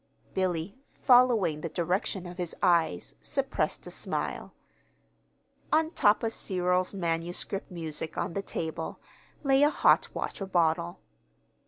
Billy, following the direction of his eyes, suppressed a smile. On the top of Cyril's manuscript music on the table lay a hot water bottle.